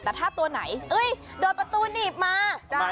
แต่ถ้าตัวไหนโดนประตูหนีบมา